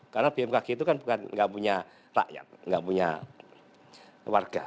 karena bmkg itu kan nggak punya rakyat nggak punya warga